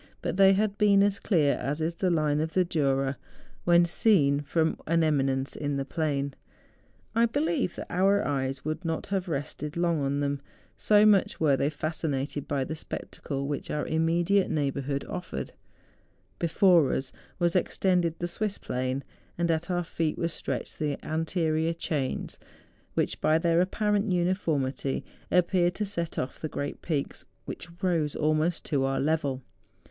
But had they been as clear as is the line of the Jura when seen 78 MOUNTAIN ADVENTUKES. from an eminence in the plain, I believe that our eyes would not have rested long on them, so much were they fascinated by the spectacle which our im¬ mediate neighbourhood offered. Before us was ex¬ tended the Swiss plain, and at our feet were stretched the anterior chains which, by their apparent uni¬ formity, appeared to set off the great peaks which rose almost to our level.